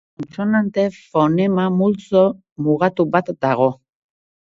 Kontsonante fonema multzo mugatu bat dago.